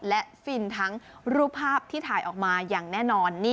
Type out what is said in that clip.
และฟินทั้งรูปภาพที่ถ่ายออกมาอย่างแน่นอน